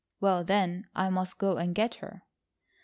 "Well, then, I must go and get her."